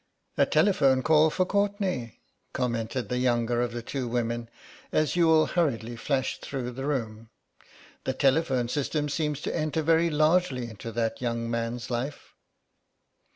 "A telephone call for Courtenay," commented the younger of the two women as Youghal hurriedly flashed through the room; "the telephone system seems to enter very largely into that young man's life."